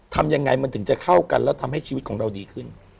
ทำยังไงมันถึงจะเข้ากันแล้วทำให้ชีวิตของเราดีขึ้น